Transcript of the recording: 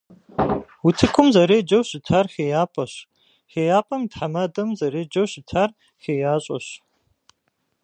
УтыкӀум зэреджэу щытар «ХеяпӀэщ», ХейяпӀэм и тхьэмадэм зэреджэу щытар «ХеящӀэщ».